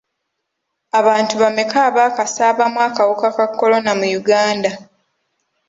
Abantu bameka abaakasaabaamu akawuka ka kolona mu Uganda?